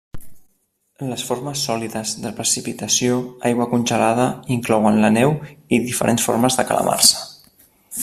Les formes sòlides de precipitació, aigua congelada, inclouen la neu i diferents formes de calamarsa.